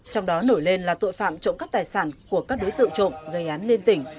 trong đó nổi lên là tội phạm trộm cắp tài sản của các đối tượng trộm gây án liên tỉnh